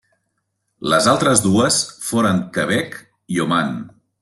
Les altres dues foren Quebec i Oman.